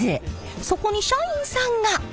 そこに社員さんが！